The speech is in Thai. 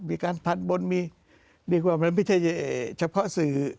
มีการพันบนมีเรียกว่ามันไม่ใช่เฉพาะสื่อ